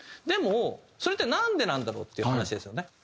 でもそれってなんでなんだろうっていう話ですよね。